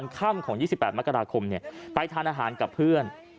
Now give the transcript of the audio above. ของ๒๘มกราคมเนี่ยไปทานอาหารกับเพื่อน